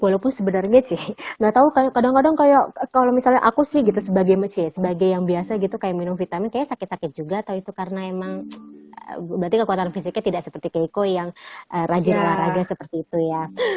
walaupun sebenarnya sih gak tau kadang kadang kayak kalau misalnya aku sih gitu sebagai masjid ya sebagai yang biasa gitu kayak minum vitamin kayaknya sakit sakit juga atau itu karena emang berarti kekuatan fisiknya tidak seperti keiko yang rajin olahraga seperti itu ya